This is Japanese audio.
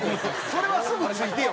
それはすぐついてよ。